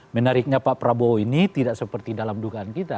menariknya pak prabowo ini tidak seperti dalam dugaan kita